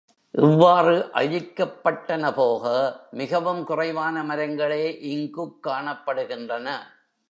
இவ்வாறு அழிக்கப்பட்டன போக மிகவும் குறைவான மரங்களே இங்குக் காணப்படுகின்றன.